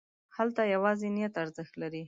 هلته یوازې نیت ارزښت لري.